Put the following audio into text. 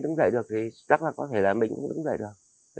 đứng dậy được thì chắc là có thể là mình cũng đứng dậy được